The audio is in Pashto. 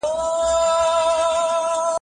چې یواځې دی پکې له اسمان سره